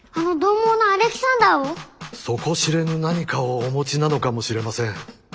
底知れぬ何かをお持ちなのかもしれません。